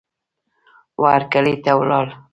وهرکلې ته ولاړ